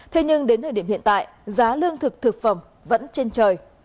thế nhưng đến thời điểm hiện tại giá lương thực thực phẩm vẫn trên trời